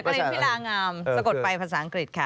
จักรินพิหลางามสะกดไปภาษาอังกฤษค่ะ